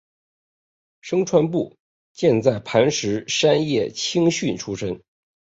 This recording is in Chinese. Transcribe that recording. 牲川步见在磐田山叶青训出身。